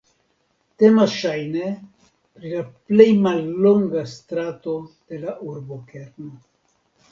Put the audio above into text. Temas ŝajne pri la plej mallonga strato de la urbokerno.